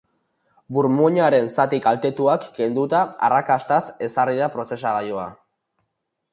Burmuinaren zati kaltetuak kenduta arrakastaz ezarri da prozesagailua...